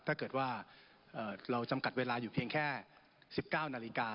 ถ้าเกิดว่าเราจำกัดเวลาอยู่เพียงแค่๑๙นาฬิกา